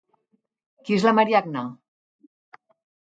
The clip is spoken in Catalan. Qui és la Mariagna?